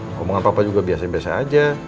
ngomongan papa juga biasa biasa aja